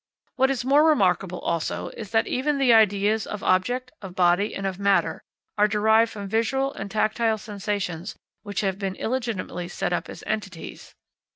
What is more remarkable, also, is that even the ideas of object, of body, and of matter, are derived from visual and tactile sensations which have been illegitimately set up as entities.